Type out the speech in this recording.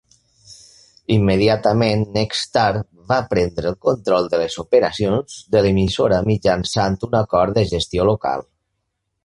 Immediatament, Nexstar va prendre el control de les operacions de l'emissora mitjançant un acord de gestió local.